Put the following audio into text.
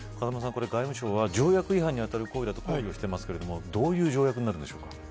外務省は条約違反に当たると批判してますがどういう条約になるんでしょうか。